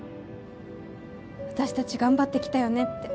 私たち頑張ってきたよねって